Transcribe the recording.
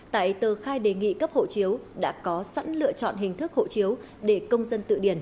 tại tờ khai đề nghị cấp hộ chiếu đã có sẵn lựa chọn hiệu quả